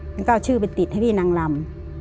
มันก็เอาชื่อไปติดให้พี่นางลำ